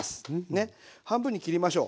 ね半分に切りましょう。